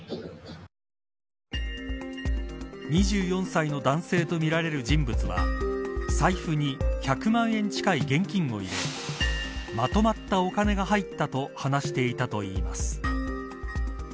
２４歳の男性とみられる人物は財布に１００万円近い現金を入れまとまったお金が入ったと話していたといいます。